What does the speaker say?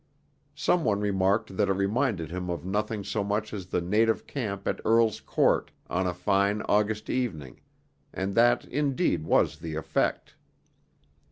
Some one remarked that it reminded him of nothing so much as the native camp at Earl's Court on a fine August evening, and that indeed was the effect.